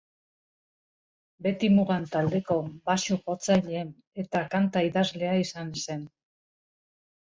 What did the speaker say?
Beti Mugan taldeko baxu-jotzailea eta kanta-idazlea izan zen.